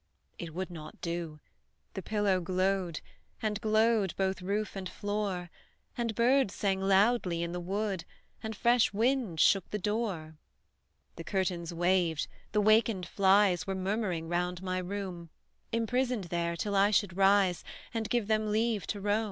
It would not do the pillow glowed, And glowed both roof and floor; And birds sang loudly in the wood, And fresh winds shook the door; The curtains waved, the wakened flies Were murmuring round my room, Imprisoned there, till I should rise, And give them leave to roam.